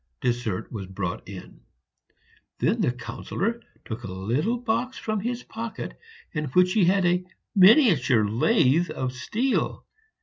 Dessert was brought in; then the Councillor took a little box from his pocket, in which he had a miniature lathe of steel.